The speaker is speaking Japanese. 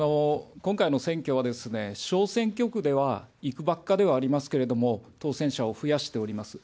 今回の選挙は、小選挙区では、いくばくかではありますけれども、当選者を増やしております。